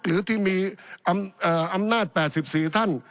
หรือที่มีอำนาจ๘๔ท่าน